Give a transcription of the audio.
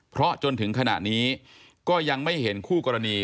เพราะจนถึงขณะนี้ก็ยังไม่เห็นคู่กรณี